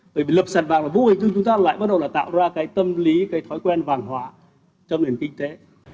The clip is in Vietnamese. bởi vì lập sản vàng là vũ hình chúng ta lại bắt đầu là tạo ra cái tâm lý cái thói quen vàng hóa trong nền kinh tế